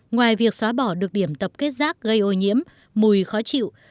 ngoài việc xóa bỏ được điểm tập kết rác gây ô nhiễm mùi khó chịu